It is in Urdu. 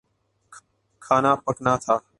کھانا پکانا تھا